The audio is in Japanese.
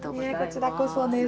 こちらこそです。